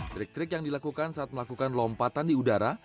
trik trik yang dilakukan saat melakukan lompatan di udara